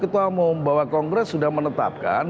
ketua umum bahwa kongres sudah menetapkan